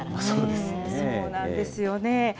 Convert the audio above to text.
そうなんですよね。